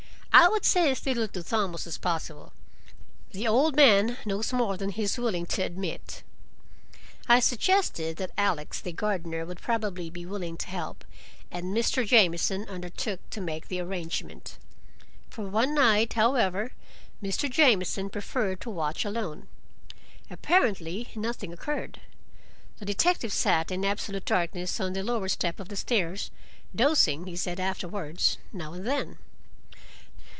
I would say as little to Thomas as possible. The old man knows more than he is willing to admit." I suggested that Alex, the gardener, would probably be willing to help, and Mr. Jamieson undertook to make the arrangement. For one night, however, Mr. Jamieson preferred to watch alone. Apparently nothing occurred. The detective sat in absolute darkness on the lower step of the stairs, dozing, he said afterwards, now and then.